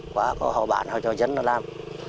quá có họ bản họ cho dân nó làm